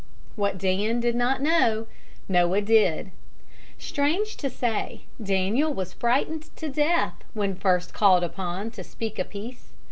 What Dan did not know, Noah did. Strange to say, Daniel was frightened to death when first called upon to speak a piece.